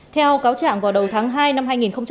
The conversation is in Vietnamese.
theo cáo trạng vào đầu tháng hai năm hai nghìn một mươi năm